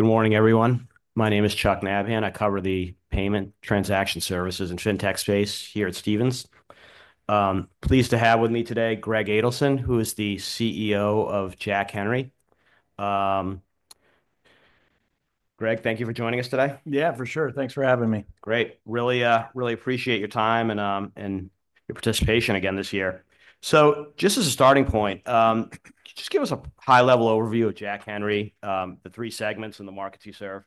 Good morning, everyone. My name is Chuck Nabhan. I cover the payment transaction services and fintech space here at Stephens. Pleased to have with me today, Greg Adelson, who is the CEO of Jack Henry. Greg, thank you for joining us today. Yeah, for sure. Thanks for having me. Great. Really appreciate your time and your participation again this year. So just as a starting point, just give us a high-level overview of Jack Henry, the three segments and the markets you serve?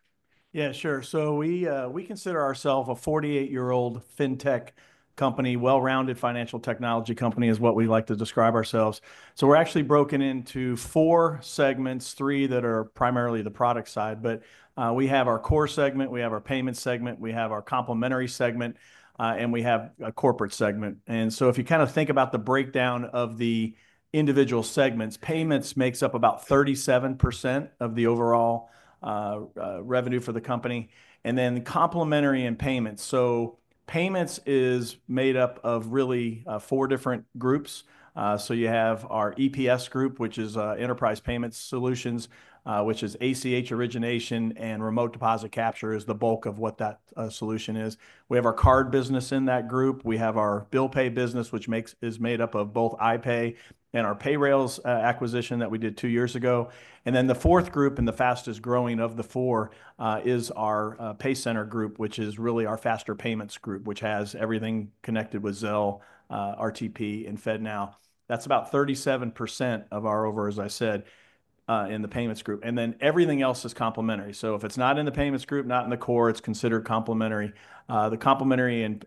Yeah, sure. So we consider ourselves a 48-year-old fintech company, well-rounded financial technology company is what we like to describe ourselves. So we're actually broken into four segments, three that are primarily the product side. But we have our core segment, we have our payment segment, we have our complementary segment, and we have a corporate segment. And so if you kind of think about the breakdown of the individual segments, payments makes up about 37% of the overall revenue for the company. And then complementary and payments. So payments is made up of really four different groups. So you have our EPS group, which is Enterprise Payment Solutions, which is ACH origination, and remote deposit capture is the bulk of what that solution is. We have our card business in that group. We have our bill pay business, which is made up of both iPay and our Payrailz acquisition that we did two years ago, and then the fourth group and the fastest growing of the four is our PayCenter group, which is really our faster payments group, which has everything connected with Zelle, RTP, and FedNow. That's about 37% of our overall, as I said, in the payments group, and then everything else is complementary, so if it's not in the payments group, not in the core, it's considered complementary. The complementary and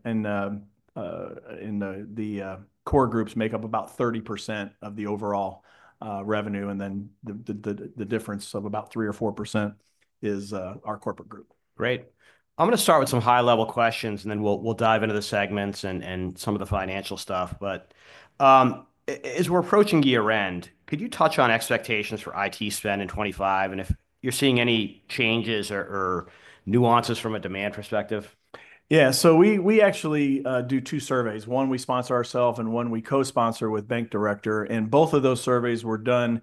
the core groups make up about 30% of the overall revenue, and then the difference of about 3% or 4% is our corporate group. Great. I'm going to start with some high-level questions, and then we'll dive into the segments and some of the financial stuff. But as we're approaching year-end, could you touch on expectations for IT spend in 2025 and if you're seeing any changes or nuances from a demand perspective? Yeah. So we actually do two surveys. One, we sponsor ourselves, and one, we co-sponsor with Bank Director. And both of those surveys were done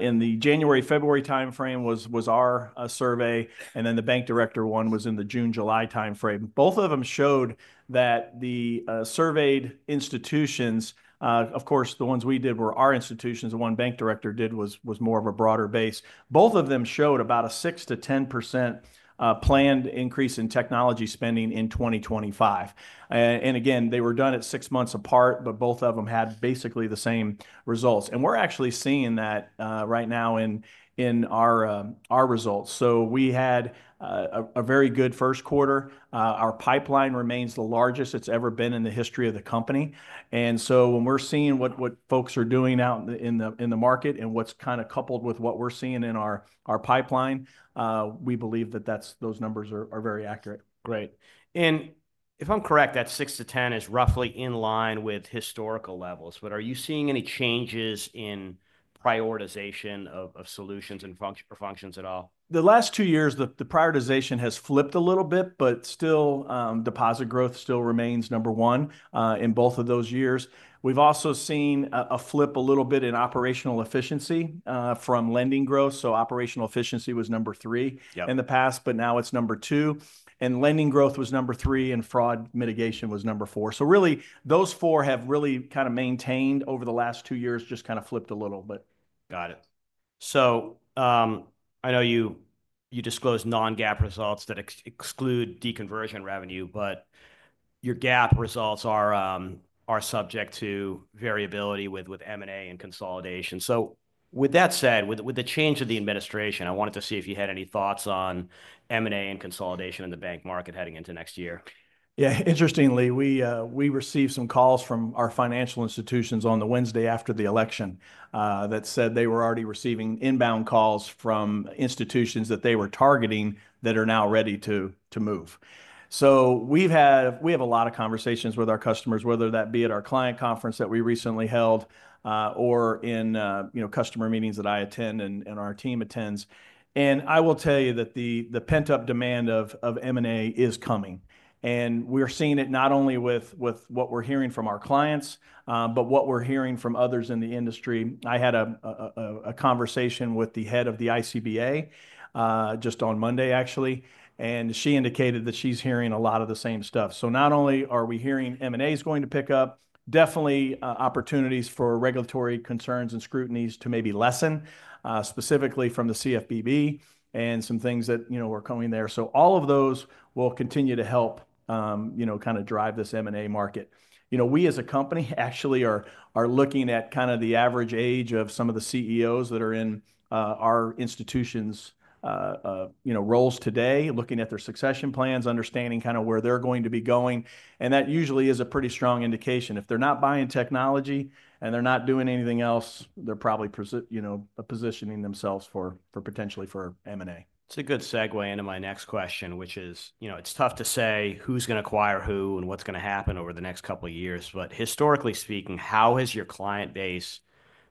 in the January-February timeframe was our survey. And then the Bank Director one was in the June-July timeframe. Both of them showed that the surveyed institutions, of course, the ones we did were our institutions. The one Bank Director did was more of a broader base. Both of them showed about a 6% to 10% planned increase in technology spending in 2025. And again, they were done at six months apart, but both of them had basically the same results. And we're actually seeing that right now in our results. So we had a very good first quarter. Our pipeline remains the largest it's ever been in the history of the company. When we're seeing what folks are doing out in the market and what's kind of coupled with what we're seeing in our pipeline, we believe that those numbers are very accurate. Great. And if I'm correct, that 6%-10% is roughly in line with historical levels. But are you seeing any changes in prioritization of solutions or functions at all? The last two years, the prioritization has flipped a little bit, but still, deposit growth still remains number one in both of those years. We've also seen a flip a little bit in operational efficiency from lending growth. So operational efficiency was number three in the past, but now it's number two. And lending growth was number three, and fraud mitigation was number four. So really, those four have really kind of maintained over the last two years, just kind of flipped a little, but. Got it. So I know you disclosed non-GAAP results that exclude deconversion revenue, but your GAAP results are subject to variability with M&A and consolidation. So with that said, with the change of the administration, I wanted to see if you had any thoughts on M&A and consolidation in the bank market heading into next year. Yeah. Interestingly, we received some calls from our financial institutions on the Wednesday after the election that said they were already receiving inbound calls from institutions that they were targeting that are now ready to move. So we have a lot of conversations with our customers, whether that be at our client conference that we recently held or in customer meetings that I attend and our team attends. And I will tell you that the pent-up demand of M&A is coming. And we're seeing it not only with what we're hearing from our clients, but what we're hearing from others in the industry. I had a conversation with the head of the ICBA just on Monday, actually. And she indicated that she's hearing a lot of the same stuff. So not only are we hearing M&A is going to pick up, definitely opportunities for regulatory concerns and scrutinies to maybe lessen, specifically from the CFPB and some things that are coming there. So all of those will continue to help kind of drive this M&A market. We as a company actually are looking at kind of the average age of some of the CEOs that are in our institutions' roles today, looking at their succession plans, understanding kind of where they're going to be going. And that usually is a pretty strong indication. If they're not buying technology and they're not doing anything else, they're probably positioning themselves potentially for M&A. It's a good segue into my next question, which is, it's tough to say who's going to acquire who and what's going to happen over the next couple of years. But historically speaking, how has your client base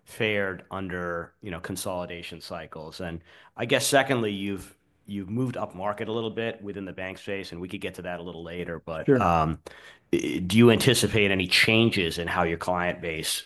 fared under consolidation cycles? And I guess, secondly, you've moved up market a little bit within the bank space, and we could get to that a little later. But do you anticipate any changes in how your client base?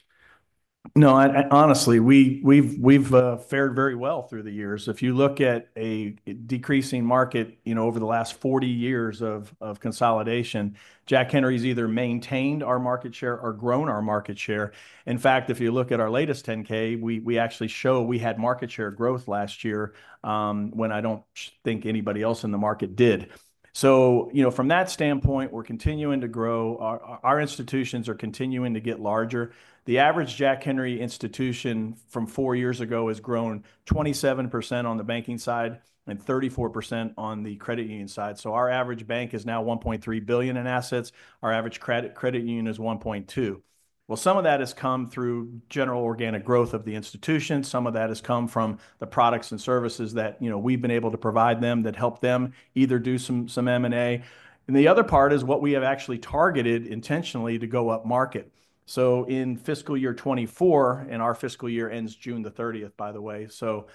No, honestly, we've fared very well through the years. If you look at a decreasing market over the last 40 years of consolidation, Jack Henry's either maintained our market share or grown our market share. In fact, if you look at our latest 10-K, we actually show we had market share growth last year when I don't think anybody else in the market did. So from that standpoint, we're continuing to grow. Our institutions are continuing to get larger. The average Jack Henry institution from four years ago has grown 27% on the banking side and 34% on the credit union side. So our average bank is now $1.3 billion in assets. Our average credit union is $1.2 billion. Well, some of that has come through general organic growth of the institution. Some of that has come from the products and services that we've been able to provide them that help them either do some M&A. And the other part is what we have actually targeted intentionally to go up market. So in fiscal year 2024, and our fiscal year ends June the 30th, by the way, so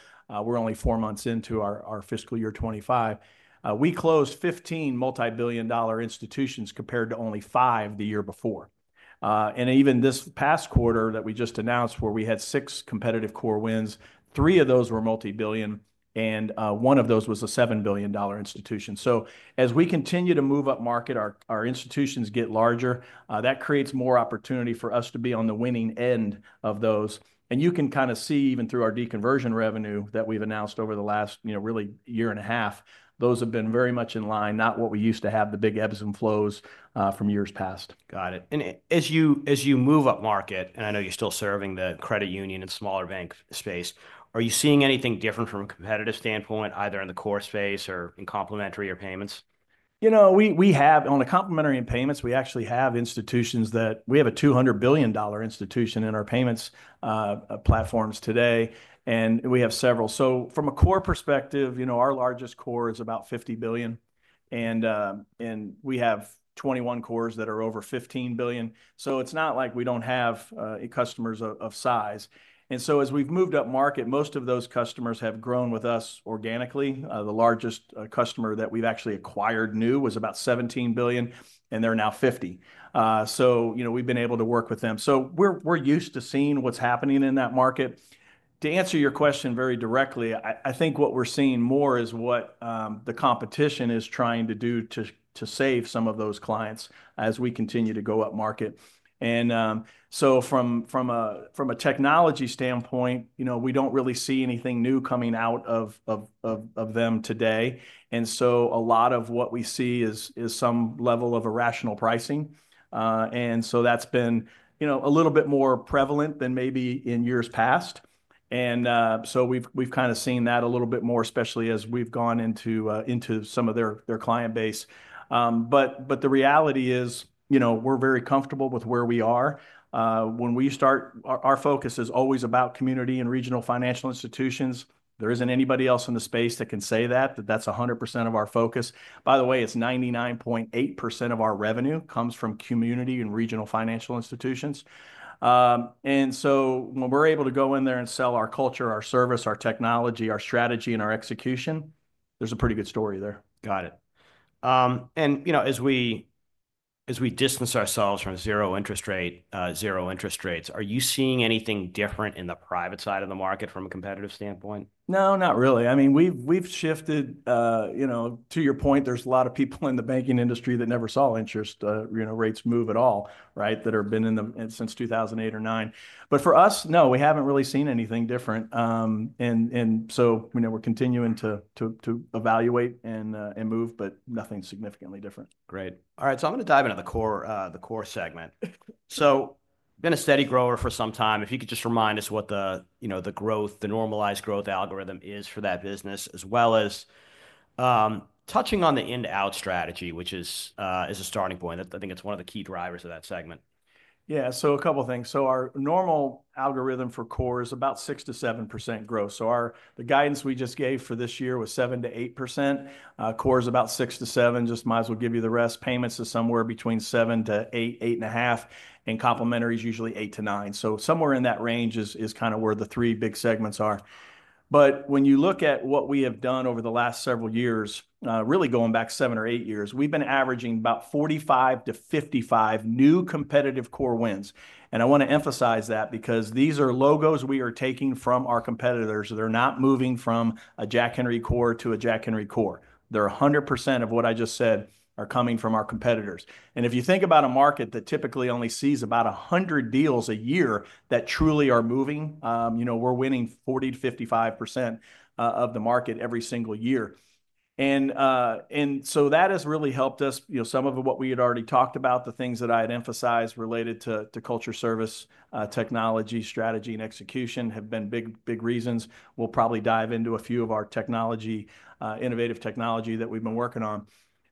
we're only four months into our fiscal year 2025, we closed 15 multi-billion dollar institutions compared to only five the year before. And even this past quarter that we just announced where we had six competitive core wins, three of those were multi-billion, and one of those was a $7 billion institution. So as we continue to move up market, our institutions get larger. That creates more opportunity for us to be on the winning end of those. You can kind of see even through our deconversion revenue that we've announced over the last really year and a half, those have been very much in line, not what we used to have the big ebbs and flows from years past. Got it. And as you move up market, and I know you're still serving the credit union and smaller bank space, are you seeing anything different from a competitive standpoint, either in the core space or in complementary or payments? You know, we have on a complementary and payments. We actually have institutions that we have a $200 billion institution in our payments platforms today. And we have several. So from a core perspective, our largest core is about $50 billion. And we have 21 cores that are over $15 billion. So it's not like we don't have customers of size. And so as we've moved up market, most of those customers have grown with us organically. The largest customer that we've actually acquired new was about $17 billion, and they're now $50 billion. So we've been able to work with them. So we're used to seeing what's happening in that market. To answer your question very directly, I think what we're seeing more is what the competition is trying to do to save some of those clients as we continue to go up market. And so from a technology standpoint, we don't really see anything new coming out of them today. And so a lot of what we see is some level of irrational pricing. And so that's been a little bit more prevalent than maybe in years past. And so we've kind of seen that a little bit more, especially as we've gone into some of their client base. But the reality is we're very comfortable with where we are. When we start, our focus is always about community and regional financial institutions. There isn't anybody else in the space that can say that, that that's 100% of our focus. By the way, it's 99.8% of our revenue comes from community and regional financial institutions. And so when we're able to go in there and sell our culture, our service, our technology, our strategy, and our execution, there's a pretty good story there. Got it, and as we distance ourselves from zero interest rate, zero interest rates, are you seeing anything different in the private side of the market from a competitive standpoint? No, not really. I mean, we've shifted. To your point, there's a lot of people in the banking industry that never saw interest rates move at all, right, that have been in since 2008 or 2009. But for us, no, we haven't really seen anything different. And so we're continuing to evaluate and move, but nothing significantly different. Great. All right. So I'm going to dive into the core segment. So been a steady grower for some time. If you could just remind us what the growth, the normalized growth algorithm is for that business, as well as touching on the end-to-end strategy, which is a starting point. I think it's one of the key drivers of that segment. Yeah. So a couple of things. So our normal algorithm for core is about 6%-7% growth. So the guidance we just gave for this year was 7%-8%. Core is about 6%-7%. Just might as well give you the rest. Payments is somewhere between 7%-8.5%. And complementary is usually 8%-9%. So somewhere in that range is kind of where the three big segments are. But when you look at what we have done over the last several years, really going back seven or eight years, we've been averaging about 45%-55% new competitive core wins. And I want to emphasize that because these are logos we are taking from our competitors. They're not moving from a Jack Henry core to a Jack Henry core. They're 100% of what I just said are coming from our competitors. And if you think about a market that typically only sees about 100 deals a year that truly are moving, we're winning 40%-55% of the market every single year. And so that has really helped us. Some of what we had already talked about, the things that I had emphasized related to culture, service, technology, strategy, and execution have been big reasons. We'll probably dive into a few of our innovative technology that we've been working on.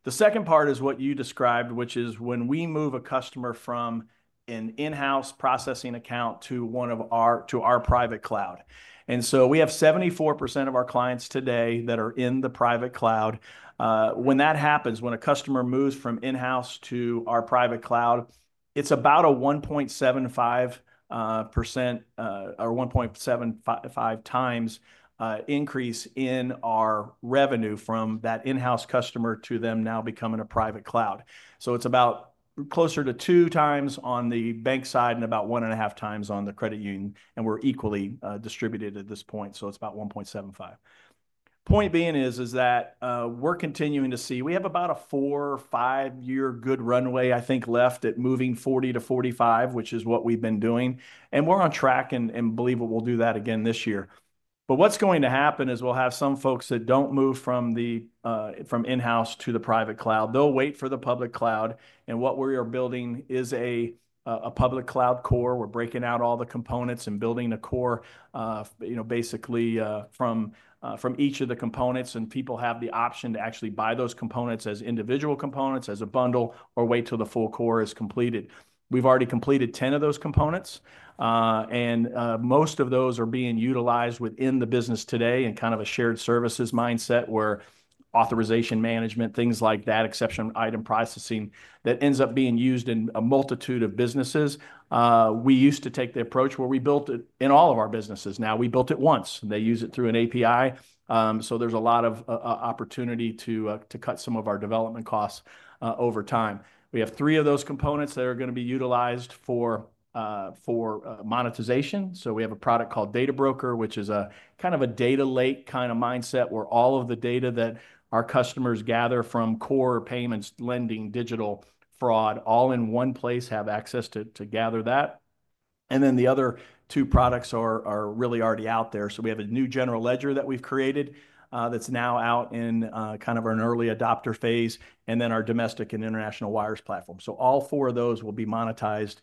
The second part is what you described, which is when we move a customer from an in-house processing account to our private cloud. And so we have 74% of our clients today that are in the private cloud. When that happens, when a customer moves from in-house to our private cloud, it's about a 1.75% or 1.75 times increase in our revenue from that in-house customer to them now becoming a private cloud. So it's about closer to two times on the bank side and about one and a half times on the credit union. And we're equally distributed at this point. So it's about 1.75. Point being is that we're continuing to see we have about a four- or five-year good runway, I think, left at moving 40%-45%, which is what we've been doing. And we're on track and believe we'll do that again this year. But what's going to happen is we'll have some folks that don't move from in-house to the private cloud. They'll wait for the public cloud. And what we are building is a public cloud core. We're breaking out all the components and building a core basically from each of the components, and people have the option to actually buy those components as individual components, as a bundle, or wait till the full core is completed. We've already completed 10 of those components, and most of those are being utilized within the business today in kind of a shared services mindset where authorization management, things like that, exception item processing that ends up being used in a multitude of businesses. We used to take the approach where we built it in all of our businesses. Now we built it once. They use it through an API, so there's a lot of opportunity to cut some of our development costs over time, we have three of those components that are going to be utilized for monetization. So we have a product called Data Broker, which is kind of a data lake kind of mindset where all of the data that our customers gather from core payments, lending, digital, fraud, all in one place have access to gather that. And then the other two products are really already out there. So we have a new general ledger that we've created that's now out in kind of an early adopter phase, and then our domestic and international wires platform. So all four of those will be monetized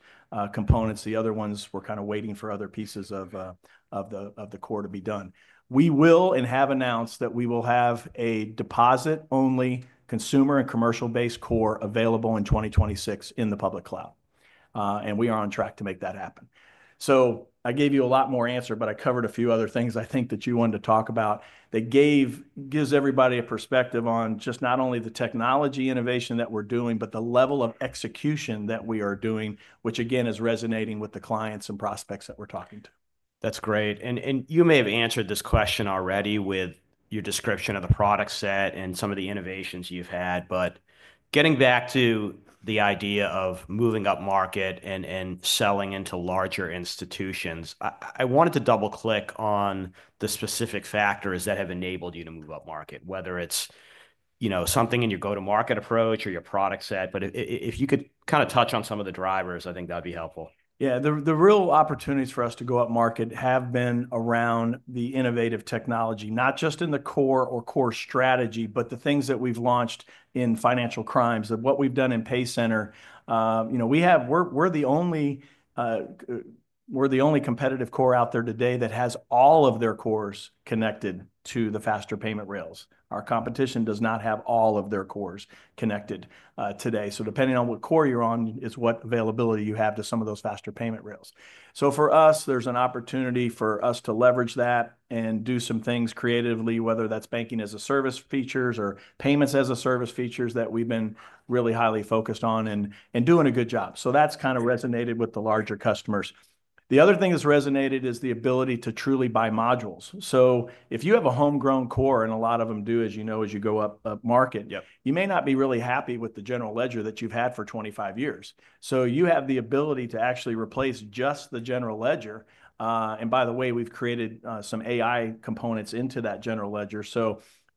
components. The other ones, we're kind of waiting for other pieces of the core to be done. We will, and have announced, that we will have a deposit-only consumer and commercial-based core available in 2026 in the public cloud. And we are on track to make that happen. So I gave you a lot more answer, but I covered a few other things I think that you wanted to talk about that gives everybody a perspective on just not only the technology innovation that we're doing, but the level of execution that we are doing, which again is resonating with the clients and prospects that we're talking to. That's great. And you may have answered this question already with your description of the product set and some of the innovations you've had. But getting back to the idea of moving up market and selling into larger institutions, I wanted to double-click on the specific factors that have enabled you to move up market, whether it's something in your go-to-market approach or your product set. But if you could kind of touch on some of the drivers, I think that'd be helpful. Yeah. The real opportunities for us to go up market have been around the innovative technology, not just in the core or core strategy, but the things that we've launched in financial crimes. What we've done in PayCenter, we're the only competitive core out there today that has all of their cores connected to the faster payment rails. Our competition does not have all of their cores connected today. So depending on what core you're on is what availability you have to some of those faster payment rails. So for us, there's an opportunity for us to leverage that and do some things creatively, whether that's banking as a service features or payments as a service features that we've been really highly focused on and doing a good job. So that's kind of resonated with the larger customers. The other thing that's resonated is the ability to truly buy modules. So if you have a homegrown core, and a lot of them do, as you know, as you go up market, you may not be really happy with the general ledger that you've had for 25 years. So you have the ability to actually replace just the general ledger. And by the way, we've created some AI components into that general ledger.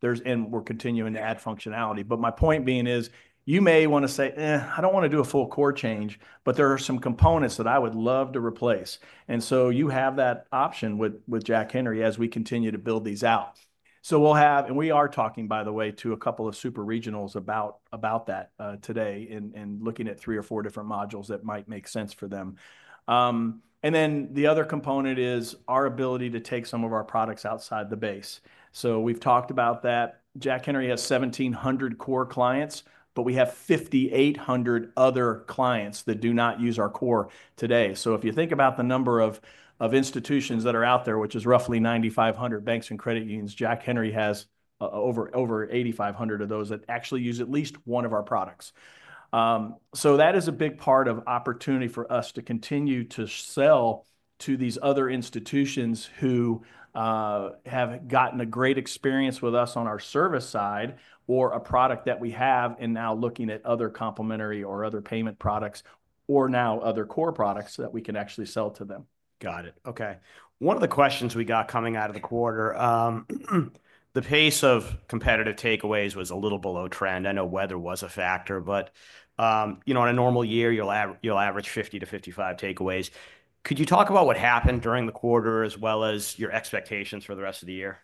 And we're continuing to add functionality. But my point being is you may want to say, "I don't want to do a full core change, but there are some components that I would love to replace." And so you have that option with Jack Henry as we continue to build these out. So we'll have, and we are talking, by the way, to a couple of super regionals about that today and looking at three or four different modules that might make sense for them. And then the other component is our ability to take some of our products outside the base. So we've talked about that. Jack Henry has 1,700 core clients, but we have 5,800 other clients that do not use our core today. So if you think about the number of institutions that are out there, which is roughly 9,500 banks and credit unions, Jack Henry has over 8,500 of those that actually use at least one of our products. So that is a big part of opportunity for us to continue to sell to these other institutions who have gotten a great experience with us on our service side or a product that we have and now looking at other complementary or other payment products or now other core products that we can actually sell to them. Got it. Okay. One of the questions we got coming out of the quarter, the pace of competitive takeaways was a little below trend. I know weather was a factor, but on a normal year, you'll average 50 to 55 takeaways. Could you talk about what happened during the quarter as well as your expectations for the rest of the year?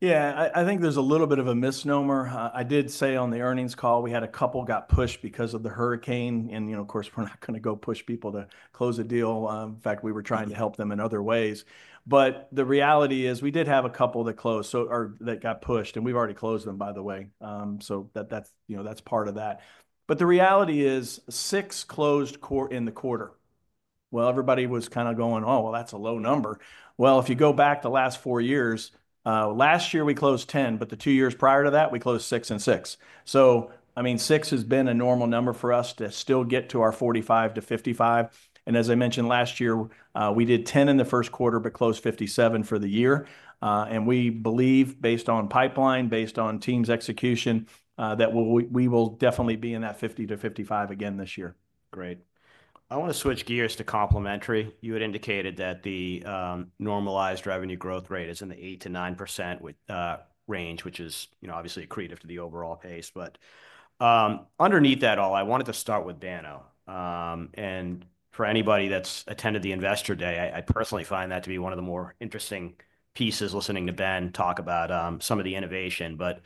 Yeah. I think there's a little bit of a misnomer. I did say on the earnings call, we had a couple got pushed because of the hurricane. And of course, we're not going to go push people to close a deal. In fact, we were trying to help them in other ways. But the reality is we did have a couple that closed that got pushed. And we've already closed them, by the way. So that's part of that. But the reality is six closed in the quarter. Well, everybody was kind of going, "Oh, well, that's a low number." Well, if you go back the last four years, last year we closed 10, but the two years prior to that, we closed six and six. So I mean, six has been a normal number for us to still get to our 45-55. As I mentioned, last year, we did 10 in the first quarter, but closed 57 for the year. We believe, based on pipeline, based on teams execution, that we will definitely be in that 50-55 again this year. Great. I want to switch gears to complementary. You had indicated that the normalized revenue growth rate is in the 8%-9% range, which is obviously accretive to the overall pace. But underneath that all, I wanted to start with Banno. And for anybody that's attended the investor day, I personally find that to be one of the more interesting pieces listening to Ben talk about some of the innovation. But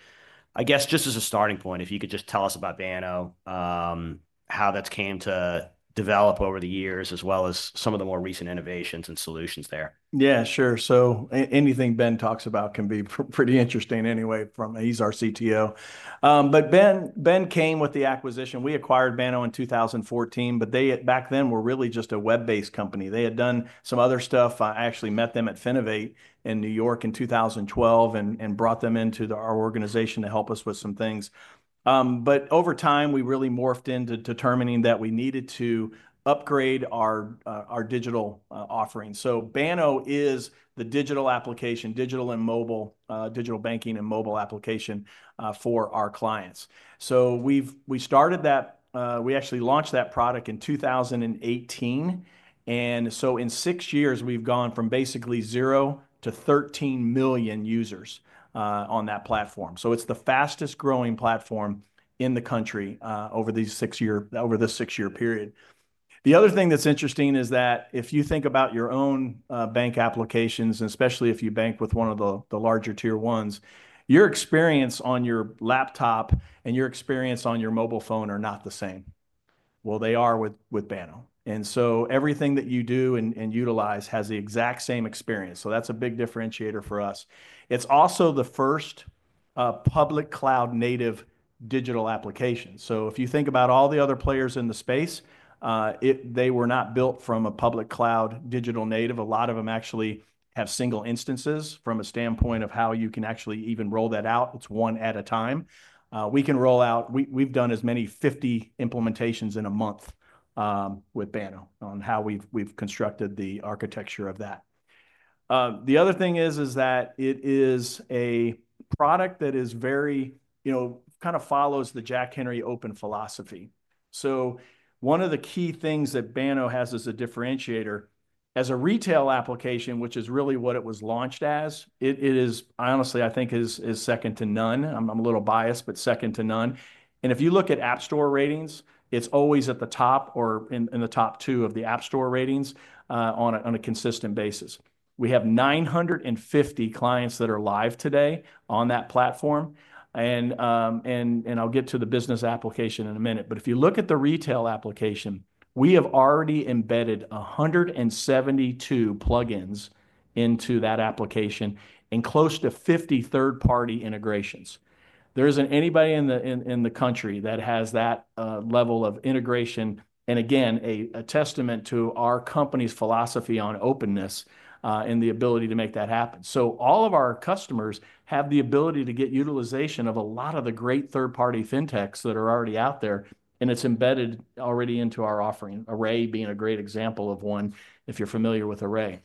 I guess just as a starting point, if you could just tell us about Banno, how that's came to develop over the years, as well as some of the more recent innovations and solutions there. Yeah, sure. So anything Ben talks about can be pretty interesting anyway. He's our CTO, but Ben came with the acquisition. We acquired Banno in 2014, but they back then were really just a web-based company. They had done some other stuff. I actually met them at Finovate in New York in 2012 and brought them into our organization to help us with some things, but over time, we really morphed into determining that we needed to upgrade our digital offering, so Banno is the digital application, digital and mobile, digital banking and mobile application for our clients, so we started that. We actually launched that product in 2018, and so in six years, we've gone from basically zero to 13 million users on that platform, so it's the fastest growing platform in the country over the six-year period. The other thing that's interesting is that if you think about your own bank applications, and especially if you bank with one of the larger tier ones, your experience on your laptop and your experience on your mobile phone are not the same, well they are with Banno, and so everything that you do and utilize has the exact same experience, so that's a big differentiator for us. It's also the first public cloud-native digital application, so if you think about all the other players in the space, they were not built from a public cloud digital native. A lot of them actually have single instances from a standpoint of how you can actually even roll that out. It's one at a time. We can roll out. We've done as many 50 implementations in a month with Banno on how we've constructed the architecture of that. The other thing is that it is a product that kind of follows the Jack Henry Open philosophy. So one of the key things that Banno has as a differentiator, as a retail application, which is really what it was launched as, it is, honestly, I think, second to none. I'm a little biased, but second to none, and if you look at App Store ratings, it's always at the top or in the top two of the App Store ratings on a consistent basis. We have 950 clients that are live today on that platform, and I'll get to the business application in a minute, but if you look at the retail application, we have already embedded 172 plugins into that application and close to 50 third-party integrations. There isn't anybody in the country that has that level of integration. And again, a testament to our company's philosophy on openness and the ability to make that happen. So all of our customers have the ability to get utilization of a lot of the great third-party fintechs that are already out there. And it's embedded already into our offering. Array being a great example of one if you're familiar with Array.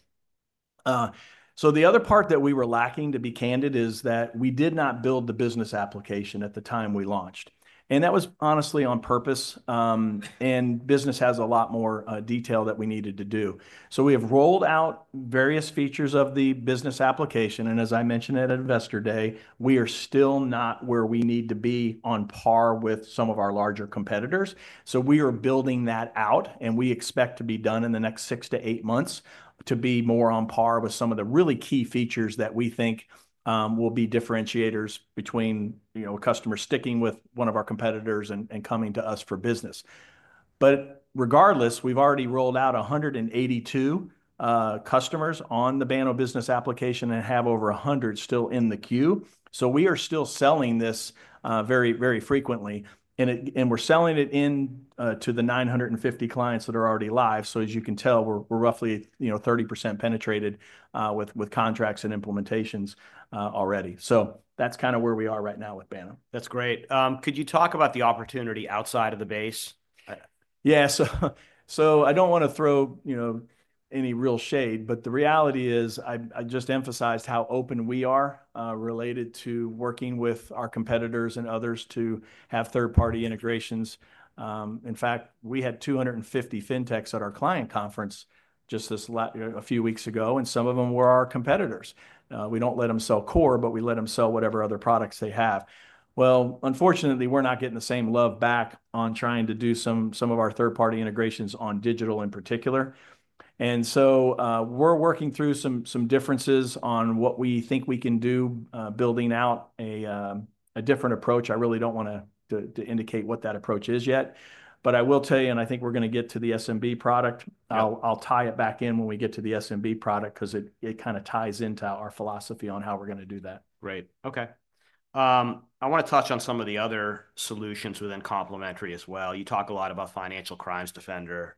So the other part that we were lacking, to be candid, is that we did not build the business application at the time we launched. And that was honestly on purpose. And business has a lot more detail that we needed to do. So we have rolled out various features of the business application. And as I mentioned at investor day, we are still not where we need to be on par with some of our larger competitors. So we are building that out. We expect to be done in the next six to eight months to be more on par with some of the really key features that we think will be differentiators between a customer sticking with one of our competitors and coming to us for business. Regardless, we've already rolled out 182 customers on the Banno Business application and have over 100 still in the queue. We are still selling this very, very frequently. We're selling it to the 950 clients that are already live. As you can tell, we're roughly 30% penetrated with contracts and implementations already. That's kind of where we are right now with Banno. That's great. Could you talk about the opportunity outside of the base? Yeah. So I don't want to throw any real shade, but the reality is I just emphasized how open we are related to working with our competitors and others to have third-party integrations. In fact, we had 250 fintechs at our client conference just a few weeks ago, and some of them were our competitors. We don't let them sell core, but we let them sell whatever other products they have. Well, unfortunately, we're not getting the same love back on trying to do some of our third-party integrations on digital in particular. And so we're working through some differences on what we think we can do, building out a different approach. I really don't want to indicate what that approach is yet. But I will tell you, and I think we're going to get to the SMB product. I'll tie it back in when we get to the SMB product because it kind of ties into our philosophy on how we're going to do that. Great. Okay. I want to touch on some of the other solutions within complementary as well. You talk a lot about Financial Crimes Defender.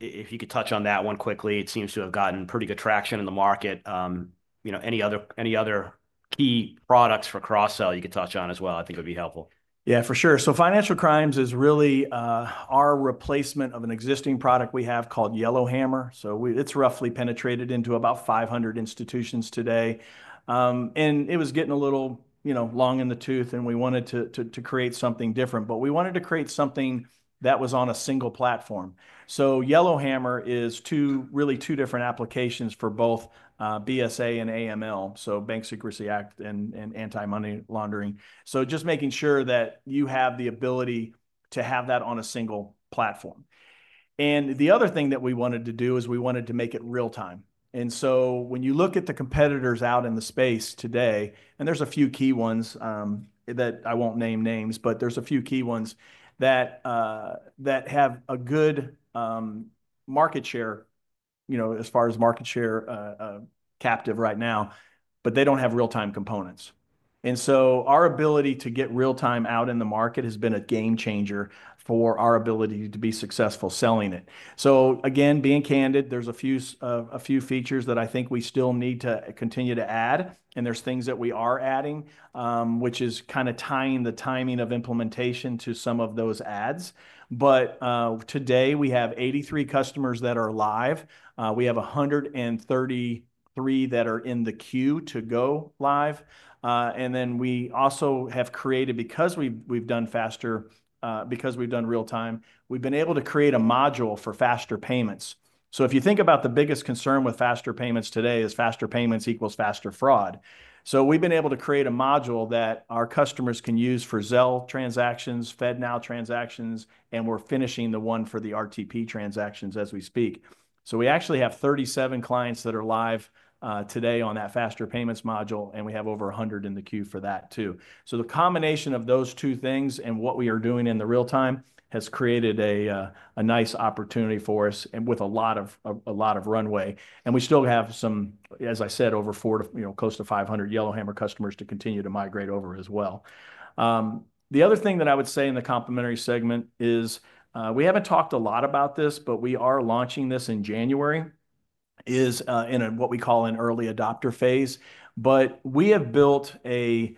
If you could touch on that one quickly, it seems to have gotten pretty good traction in the market. Any other key products for cross-sell you could touch on as well, I think would be helpful. Yeah, for sure. So financial crimes is really our replacement of an existing product we have called Yellow Hammer. So it's roughly penetrated into about 500 institutions today. And it was getting a little long in the tooth, and we wanted to create something different. But we wanted to create something that was on a single platform. So Yellow Hammer is really two different applications for both BSA and AML, so Bank Secrecy Act and anti-money laundering. So just making sure that you have the ability to have that on a single platform. And the other thing that we wanted to do is we wanted to make it real-time. And so, when you look at the competitors out in the space today, and there's a few key ones that I won't name names, but there's a few key ones that have a good market share as far as market share captive right now, but they don't have real-time components. And so our ability to get real-time out in the market has been a game changer for our ability to be successful selling it. So again, being candid, there's a few features that I think we still need to continue to add. And there's things that we are adding, which is kind of tying the timing of implementation to some of those ads. But today, we have 83 customers that are live. We have 133 that are in the queue to go live. And then we also have created, because we've done faster, because we've done real-time, we've been able to create a module for faster payments. So if you think about the biggest concern with faster payments today is faster payments equals faster fraud. So we've been able to create a module that our customers can use for Zelle transactions, FedNow transactions, and we're finishing the one for the RTP transactions as we speak. So we actually have 37 clients that are live today on that faster payments module, and we have over 100 in the queue for that too. So the combination of those two things and what we are doing in the real-time has created a nice opportunity for us with a lot of runway. And we still have some, as I said, over close to 500 Yellow Hammer customers to continue to migrate over as well. The other thing that I would say in the complementary segment is we haven't talked a lot about this, but we are launching this in January, is in what we call an early adopter phase, but we have built a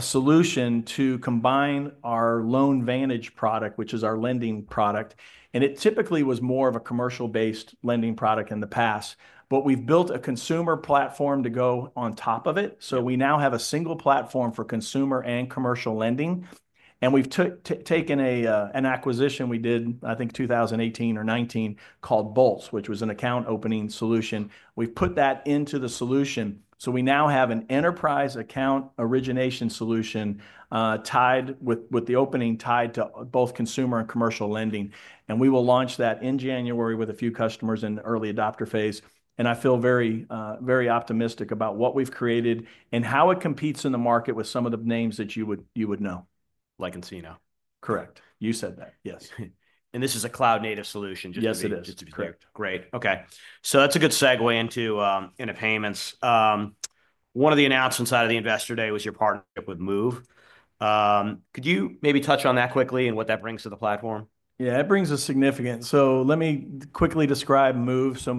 solution to combine our LoanVantage product, which is our lending product, and it typically was more of a commercial-based lending product in the past, but we've built a consumer platform to go on top of it, so we now have a single platform for consumer and commercial lending, and we've taken an acquisition we did, I think, 2018 or 2019 called Bolts, which was an account opening solution, we've put that into the solution, so we now have an enterprise account origination solution tied with the opening tied to both consumer and commercial lending. We will launch that in January with a few customers in the early adopter phase. I feel very optimistic about what we've created and how it competes in the market with some of the names that you would know. Like nCino. Correct. You said that, yes. This is a cloud-native solution, just to be correct. Yes, it is. Correct. Great. Okay. So that's a good segue into payments. One of the announcements out of the investor day was your partnership with Moov. Could you maybe touch on that quickly and what that brings to the platform? Yeah, it brings a significant, so let me quickly describe Moov. So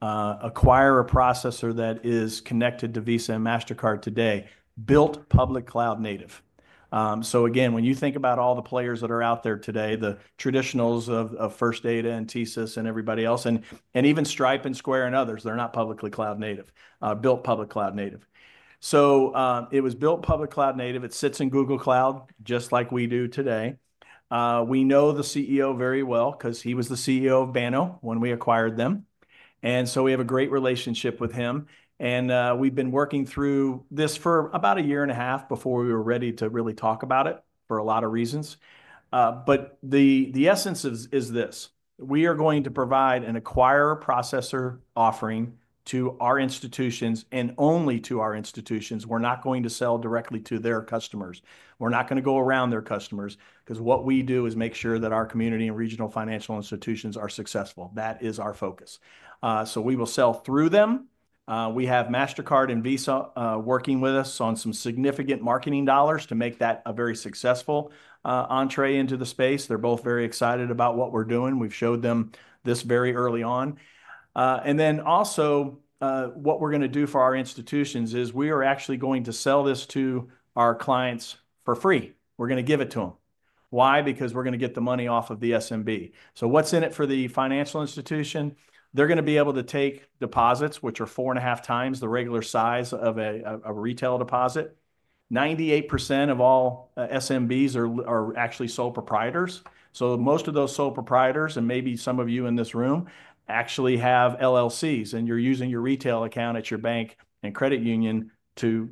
Moov is really, I think, the latest acquirer processor that is connected to Visa and Mastercard today, built public cloud native. So again, when you think about all the players that are out there today, the traditionals of First Data and TSYS and everybody else, and even Stripe and Square and others, they're not publicly cloud native, built public cloud native. So it was built public cloud native. It sits in Google Cloud, just like we do today. We know the CEO very well because he was the CEO of Banno when we acquired them. And so we have a great relationship with him. And we've been working through this for about a year and a half before we were ready to really talk about it for a lot of reasons. But the essence is this. We are going to provide an acquirer processor offering to our institutions and only to our institutions. We're not going to sell directly to their customers. We're not going to go around their customers because what we do is make sure that our community and regional financial institutions are successful. That is our focus. So we will sell through them. We have Mastercard and Visa working with us on some significant marketing dollars to make that a very successful entrée into the space. They're both very excited about what we're doing. We've showed them this very early on. And then also, what we're going to do for our institutions is we are actually going to sell this to our clients for free. We're going to give it to them. Why? Because we're going to get the money off of the SMB. So what's in it for the financial institution? They're going to be able to take deposits, which are four and a half times the regular size of a retail deposit. 98% of all SMBs are actually sole proprietors. So most of those sole proprietors, and maybe some of you in this room, actually have LLCs, and you're using your retail account at your bank and credit union to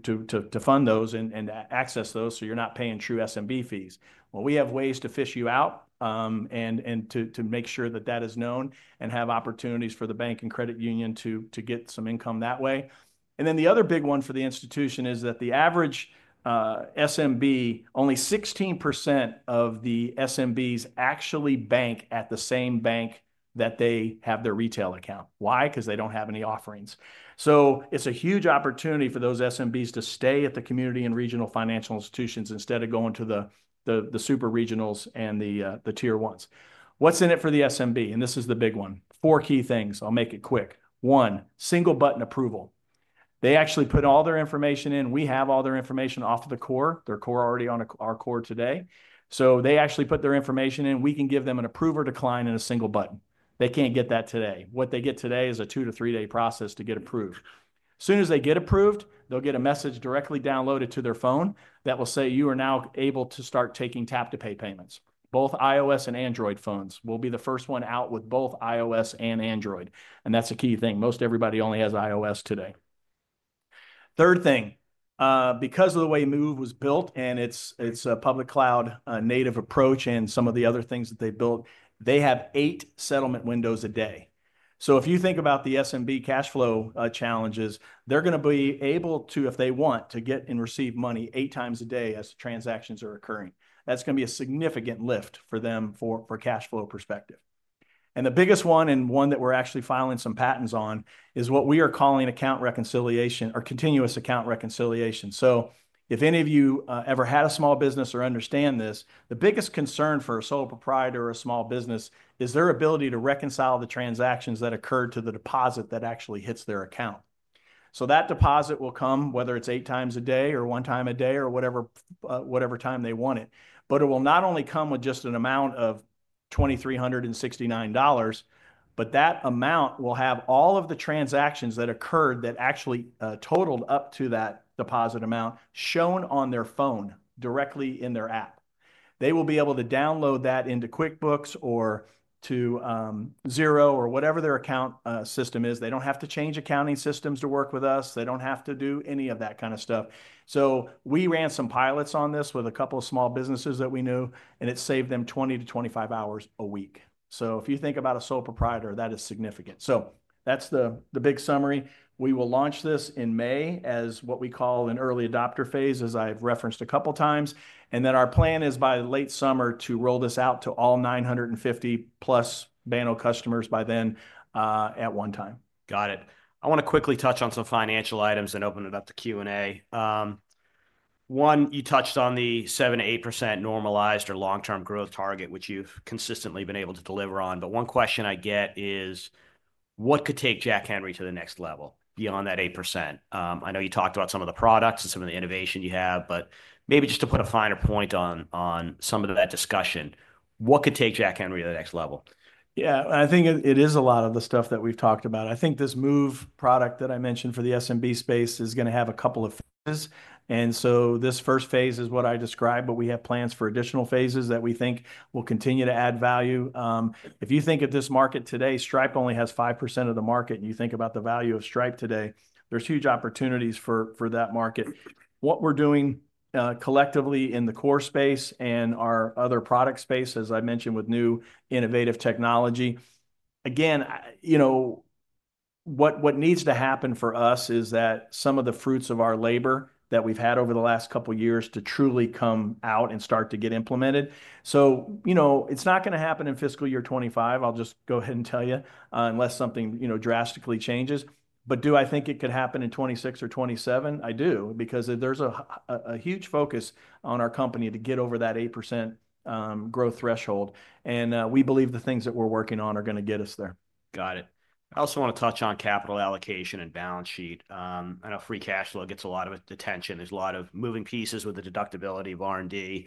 fund those and access those. So you're not paying true SMB fees. Well, we have ways to fish you out and to make sure that that is known and have opportunities for the bank and credit union to get some income that way. And then the other big one for the institution is that the average SMB, only 16% of the SMBs actually bank at the same bank that they have their retail account. Why? Because they don't have any offerings. So it's a huge opportunity for those SMBs to stay at the community and regional financial institutions instead of going to the super regionals and the tier ones. What's in it for the SMB? And this is the big one. Four key things. I'll make it quick. One, single-button approval. They actually put all their information in. We have all their information off of the core. They're already on our core today. So they actually put their information in. We can give them an approval or decline in a single button. They can't get that today. What they get today is a two- to three-day process to get approved. As soon as they get approved, they'll get a message directly downloaded to their phone that will say, "You are now able to start taking tap-to-pay payments." Both iOS and Android phones will be the first one out with both iOS and Android, and that's a key thing. Most everybody only has iOS today. Third thing, because of the way Moov was built and it's a public cloud-native approach and some of the other things that they built, they have eight settlement windows a day, so if you think about the SMB cash flow challenges, they're going to be able to, if they want, to get and receive money eight times a day as transactions are occurring. That's going to be a significant lift for them for cash flow perspective. And the biggest one and one that we're actually filing some patents on is what we are calling account reconciliation or continuous account reconciliation. So if any of you ever had a small business or understand this, the biggest concern for a sole proprietor or a small business is their ability to reconcile the transactions that occurred to the deposit that actually hits their account. So that deposit will come, whether it's eight times a day or one time a day or whatever time they want it. But it will not only come with just an amount of $2,369, but that amount will have all of the transactions that occurred that actually totaled up to that deposit amount shown on their phone directly in their app. They will be able to download that into QuickBooks or to Xero or whatever their account system is. They don't have to change accounting systems to work with us. They don't have to do any of that kind of stuff. So we ran some pilots on this with a couple of small businesses that we knew, and it saved them 20-25 hours a week. So if you think about a sole proprietor, that is significant. So that's the big summary. We will launch this in May as what we call an early adopter phase, as I've referenced a couple of times. And then our plan is by late summer to roll this out to all 950-plus Banno customers by then at one time. Got it. I want to quickly touch on some financial items and open it up to Q&A. One, you touched on the 7%-8% normalized or long-term growth target, which you've consistently been able to deliver on. But one question I get is, what could take Jack Henry to the next level beyond that 8%? I know you talked about some of the products and some of the innovation you have, but maybe just to put a finer point on some of that discussion, what could take Jack Henry to the next level? Yeah, I think it is a lot of the stuff that we've talked about. I think this Moov product that I mentioned for the SMB space is going to have a couple of phases, and so this first phase is what I described, but we have plans for additional phases that we think will continue to add value. If you think of this market today, Stripe only has 5% of the market, and you think about the value of Stripe today, there's huge opportunities for that market. What we're doing collectively in the core space and our other product space, as I mentioned, with new innovative technology. Again, what needs to happen for us is that some of the fruits of our labor that we've had over the last couple of years to truly come out and start to get implemented. So it's not going to happen in fiscal year 2025. I'll just go ahead and tell you unless something drastically changes. But do I think it could happen in 2026 or 2027? I do, because there's a huge focus on our company to get over that 8% growth threshold. And we believe the things that we're working on are going to get us there. Got it. I also want to touch on capital allocation and balance sheet. I know free cash flow gets a lot of attention. There's a lot of moving pieces with the deductibility of R&D.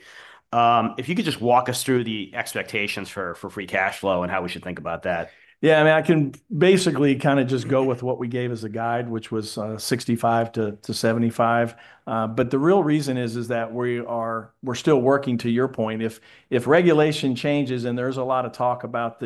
If you could just walk us through the expectations for free cash flow and how we should think about that. Yeah, I mean, I can basically kind of just go with what we gave as a guide, which was 65 to 75. But the real reason is that we're still working, to your point. If regulation changes and there's a lot of talk about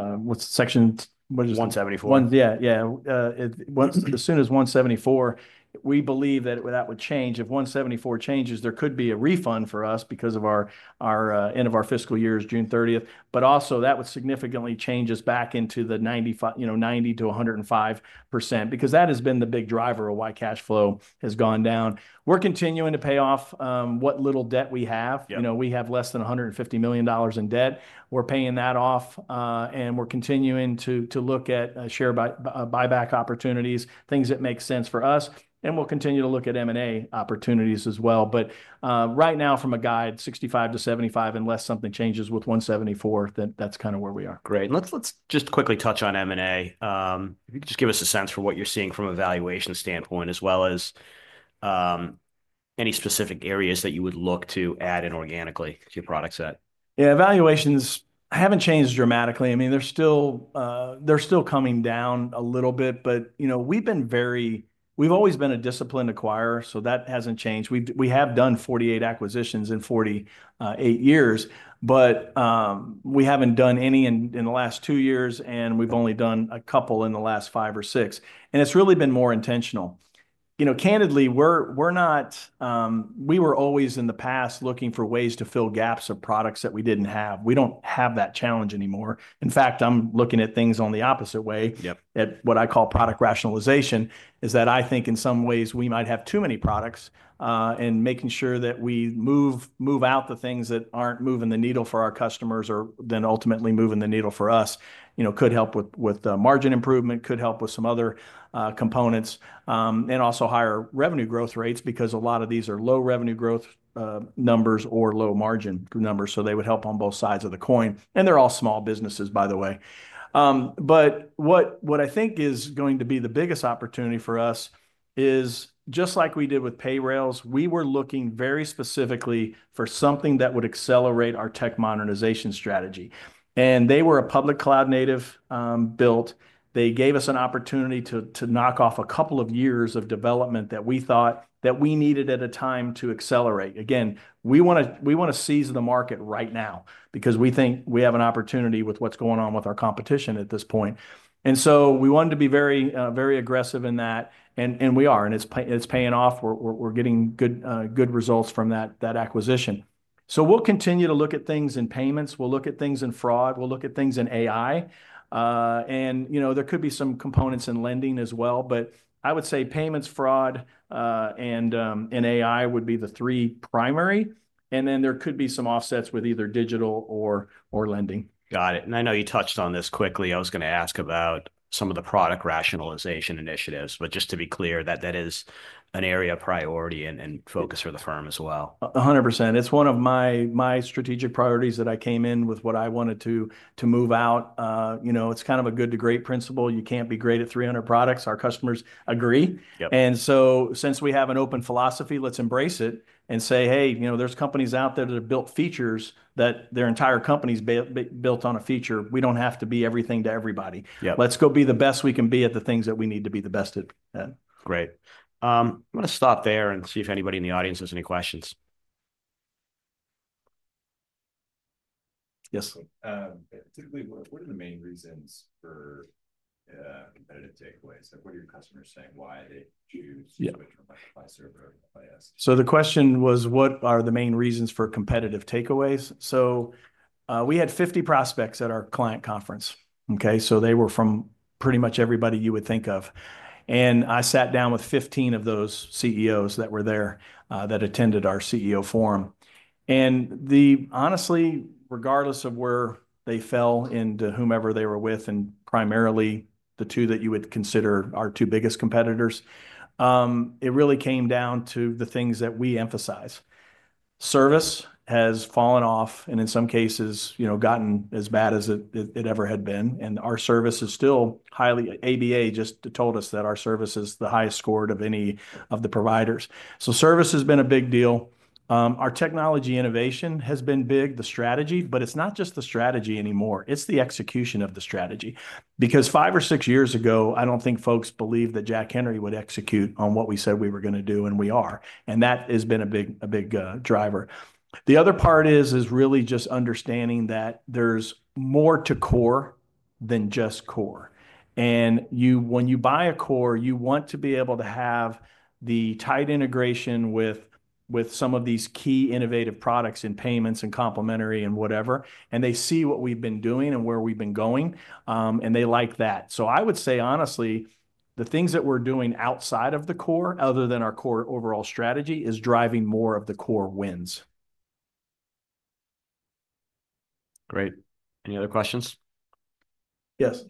what's Section 174? 174. Yeah, yeah. As soon as 174, we believe that that would change. If 174 changes, there could be a refund for us because the end of our fiscal year is June 30th. But also, that would significantly change us back into the 90%-105% because that has been the big driver of why cash flow has gone down. We're continuing to pay off what little debt we have. We have less than $150 million in debt. We're paying that off. And we're continuing to look at share buyback opportunities, things that make sense for us. And we'll continue to look at M&A opportunities as well. But right now, from a guide, 65-75 unless something changes with 174, that's kind of where we are. Great. Let's just quickly touch on M&A. Just give us a sense for what you're seeing from a valuation standpoint, as well as any specific areas that you would look to add in organically to your product set. Yeah, valuations haven't changed dramatically. I mean, they're still coming down a little bit. But we've always been a disciplined acquirer, so that hasn't changed. We have done 48 acquisitions in 48 years, but we haven't done any in the last two years, and we've only done a couple in the last five or six, and it's really been more intentional. Candidly, we were always in the past looking for ways to fill gaps of products that we didn't have. We don't have that challenge anymore. In fact, I'm looking at things on the opposite way. What I call product rationalization is that I think in some ways we might have too many products. Making sure that we move out the things that aren't moving the needle for our customers or then ultimately moving the needle for us could help with margin improvement, could help with some other components, and also higher revenue growth rates because a lot of these are low revenue growth numbers or low margin numbers. So they would help on both sides of the coin. And they're all small businesses, by the way. But what I think is going to be the biggest opportunity for us is just like we did with Payrailz, we were looking very specifically for something that would accelerate our tech modernization strategy. And they were a public cloud-native built. They gave us an opportunity to knock off a couple of years of development that we thought that we needed at a time to accelerate. Again, we want to seize the market right now because we think we have an opportunity with what's going on with our competition at this point. And so we wanted to be very aggressive in that. And we are. And it's paying off. We're getting good results from that acquisition. So we'll continue to look at things in payments. We'll look at things in fraud. We'll look at things in AI. And there could be some components in lending as well. But I would say payments, fraud, and AI would be the three primary. And then there could be some offsets with either digital or lending. Got it. And I know you touched on this quickly. I was going to ask about some of the product rationalization initiatives, but just to be clear, that is an area of priority and focus for the firm as well. 100%. It's one of my strategic priorities that I came in with what I wanted to move out. It's kind of a good to great principle. You can't be great at 300 products. Our customers agree. And so since we have an open philosophy, let's embrace it and say, "Hey, there's companies out there that have built features that their entire company's built on a feature. We don't have to be everything to everybody. Let's go be the best we can be at the things that we need to be the best at. Great. I'm going to stop there and see if anybody in the audience has any questions. Yes. Typically, what are the main reasons for competitive takeaways? What are your customers saying? Why do they choose to go to a Microsoft server OS? So the question was, what are the main reasons for competitive takeaways? So we had 50 prospects at our client conference. So they were from pretty much everybody you would think of. And I sat down with 15 of those CEOs that were there that attended our CEO forum. And honestly, regardless of where they fell into whomever they were with and primarily the two that you would consider our two biggest competitors, it really came down to the things that we emphasize. Service has fallen off and in some cases gotten as bad as it ever had been. And our service is still highly. ABA just told us that our service is the highest scored of any of the providers. So service has been a big deal. Our technology innovation has been big, the strategy, but it's not just the strategy anymore. It's the execution of the strategy. Because five or six years ago, I don't think folks believed that Jack Henry would execute on what we said we were going to do, and we are. And that has been a big driver. The other part is really just understanding that there's more to core than just core. And when you buy a core, you want to be able to have the tight integration with some of these key innovative products in payments and complementary and whatever. And they see what we've been doing and where we've been going. And they like that. So I would say, honestly, the things that we're doing outside of the core other than our core overall strategy is driving more of the core wins. Great. Any other questions? Yes.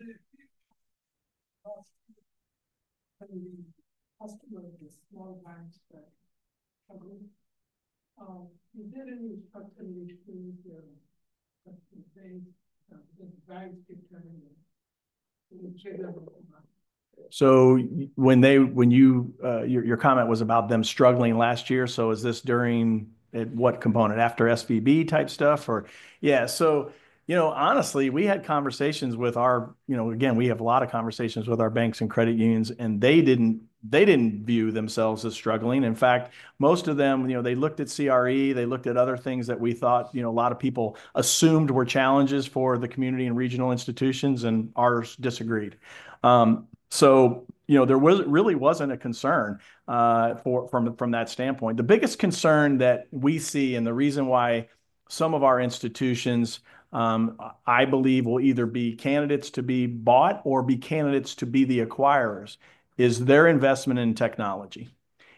So when your comment was about them struggling last year, so is this during what component? After SVB type stuff or? Yeah. So honestly, we have a lot of conversations with our banks and credit unions, and they didn't view themselves as struggling. In fact, most of them, they looked at CRE. They looked at other things that we thought a lot of people assumed were challenges for the community and regional institutions, and ours disagreed. So there really wasn't a concern from that standpoint. The biggest concern that we see and the reason why some of our institutions, I believe, will either be candidates to be bought or be candidates to be the acquirers is their investment in technology.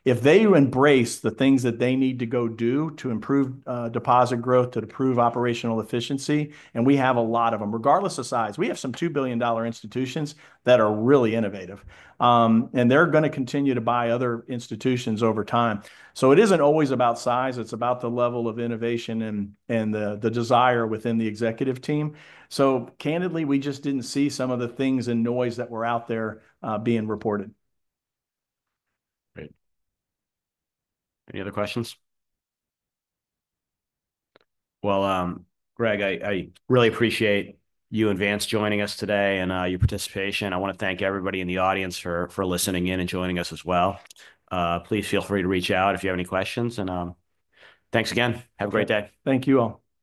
If they embrace the things that they need to go do to improve deposit growth, to improve operational efficiency, and we have a lot of them, regardless of size. We have some $2 billion institutions that are really innovative, and they're going to continue to buy other institutions over time, so it isn't always about size. It's about the level of innovation and the desire within the executive team, so candidly, we just didn't see some of the things and noise that were out there being reported. Great. Any other questions? Well, Greg, I really appreciate you and Vance joining us today and your participation. I want to thank everybody in the audience for listening in and joining us as well. Please feel free to reach out if you have any questions, and thanks again. Have a great day. Thank you all.